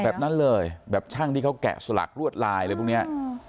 แบบนั้นเลยแบบช่างที่เขาแกะสลักลวดลายอะไรพวกนี้